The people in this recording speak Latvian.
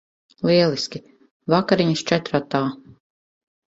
Lieliski. Vakariņas četratā.